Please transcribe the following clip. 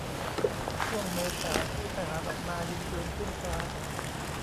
ช่วงเมษาที่ทหารออกมา 'ยิงปืนขึ้นฟ้า'